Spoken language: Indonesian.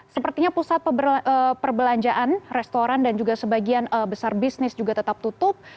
sepertinya pusat perbelanjaan restoran dan juga sebagian besar bisnis juga tetap tutup